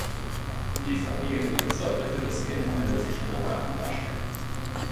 Die Familie sollte für das Kind einen sicheren Hafen darstellen.